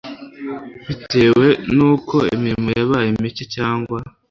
bitewe n uko imirimo yabaye mike cyangwa